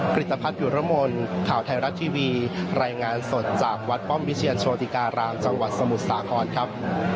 ฤตภัทรยุรมนข่าวไทยรัฐทีวีรายงานสดจากวัดป้อมวิเชียรโชติการามจังหวัดสมุทรสาครครับ